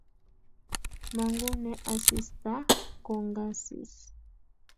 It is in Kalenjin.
mangune asista kongasis